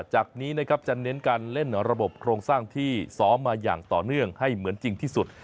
จากนี้นะครับจะเน้นการเล่นระบบโครงสร้างที่ซ้อมมาอย่างต่อเนื่องให้เหมือนจริงที่สุด